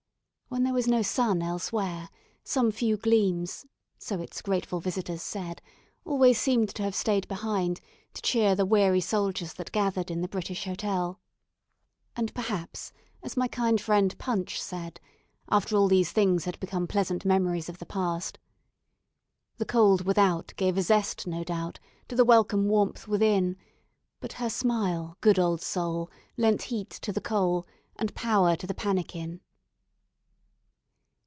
When there was no sun elsewhere, some few gleams so its grateful visitors said always seemed to have stayed behind, to cheer the weary soldiers that gathered in the British Hotel. And, perhaps, as my kind friend Punch said, after all these things had become pleasant memories of the past. "The cold without gave a zest, no doubt, To the welcome warmth within; But her smile, good old soul, lent heat to the coal, And power to the pannikin."